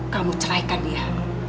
kamu ceraikan dia